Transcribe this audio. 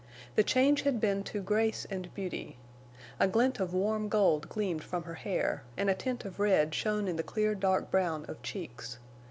The change had been to grace and beauty. A glint of warm gold gleamed from her hair, and a tint of red shone in the clear dark brown of cheeks.